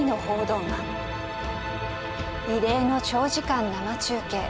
異例の長時間生中継。